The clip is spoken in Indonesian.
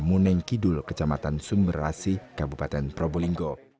muneng kidul kecamatan sumerasi kabupaten propolinggo